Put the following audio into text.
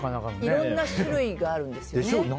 いろんな種類があるんですよね。